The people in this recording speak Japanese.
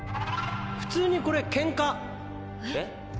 普通にこれケンカ。え？